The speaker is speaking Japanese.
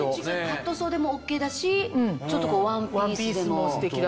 カットソーでもＯＫだしワンピースでもＯＫ。